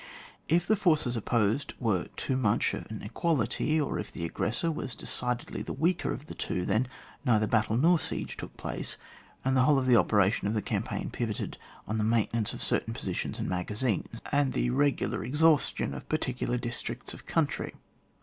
If the forces opposed were too much on an equality, or if the aggressor was decidedly the weaker of the two, then neither battle nor siege took place, and the whole of the operations of the cam paign pivoted on the maintenance of certain positions and magazines, and the regular exhaustion of particular districts of country.